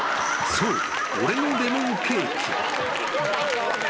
そう、俺のレモンケーキ。